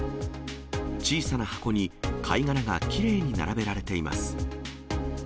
小さな箱に貝殻がきれいに並べられています。